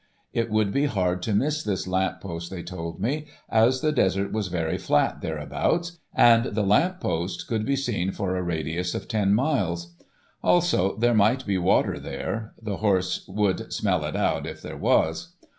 It would be hard to miss this lamp post, they told me, as the desert was very flat thereabouts, and the lamp posts could be seen for a radius of ten miles. Also, there might be water there—the horse would smell it out if there was.